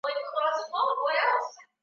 dalili za maralia kwa mama mjamzito